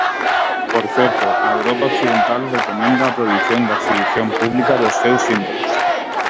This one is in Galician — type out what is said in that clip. Por certo, a Europa occidental recomenda a prohibición da exhibición pública dos seus símbolos.